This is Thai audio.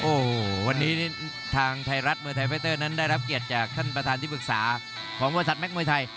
โอ้โหวันนี้ทางไทยรัฐมวยไทยไฟเตอร์นั้นได้รับเกียรติจากท่านประธานที่ปรึกษาของบริษัทแม็กมวยไทย